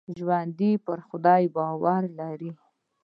ژوندي پر خدای باور لري